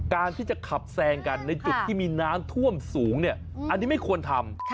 การที่จะขับแซงกันในจุดที่มีน้ำท่วมสูงเนี่ยอันนี้ไม่ควรทำ